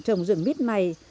trồng rừng mít này